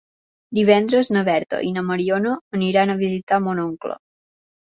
Divendres na Berta i na Mariona aniran a visitar mon oncle.